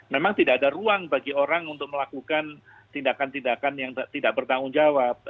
memang tidak ada ruang bagi orang untuk melakukan tindakan tindakan yang tidak bertanggung jawab